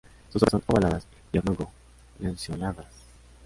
Sus hojas son ovaladas y oblongo-lanceoladas.